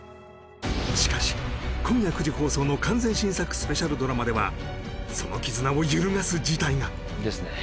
しかし今夜９時放送の完全新作スペシャルドラマではその絆を揺るがす事態がですね